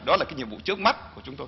đó là cái nhiệm vụ trước mắt của chúng tôi